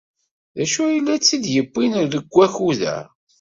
D acu ay tt-id-yewwin deg wakud-a?